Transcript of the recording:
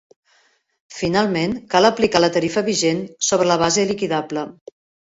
Finalment, cal aplicar la tarifa vigent sobre la base liquidable.